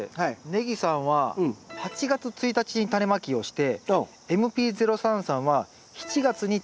ねぎさんは８月１日にタネまきをしてＭｐ−０３さんは７月にタネまきをしたそうです。